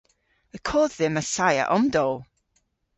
Y kodh dhymm assaya omdowl!